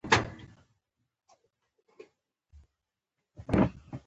که دغه څلور شیان ونلرئ په ژوند کې هیڅ هم نلرئ.